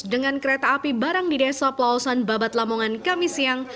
dengan kereta api barang di desa pelausan babat lamongan kami siang